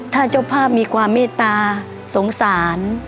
ถ้าเจ้าภาพมีความเมตตาสงสาร